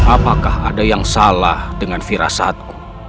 apakah ada yang salah dengan firasatku